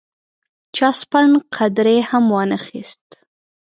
چا سپڼ قدرې هم وانه اخیست.